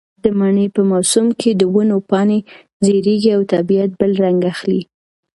د مني په موسم کې د ونو پاڼې ژېړېږي او طبیعت بل رنګ اخلي.